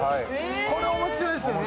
これ面白いですよね。